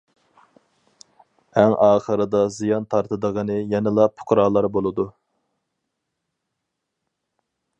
ئەڭ ئاخىرىدا زىيان تارتىدىغىنى يەنىلا پۇقرالار بولىدۇ.